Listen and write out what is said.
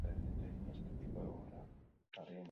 Kordobako probintzia ordezkatuz senataria izan zen.